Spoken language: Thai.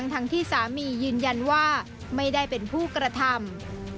ทั้งที่สามียืนยันว่าไม่ได้เป็นผู้กระทำ